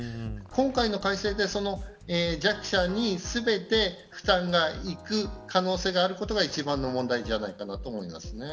今回の改正でその弱者に全て負担がいく可能性があることが一番の問題じゃないかなと思います。